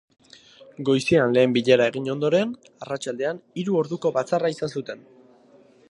Goizean lehen bilera egin ondoren, arratsaldean hiru orduko batzarra izan zuten.